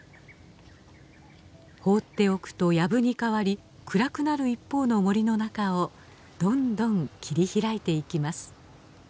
放っておくとやぶに変わり暗くなる一方の森の中をどんどん切り開いていきます。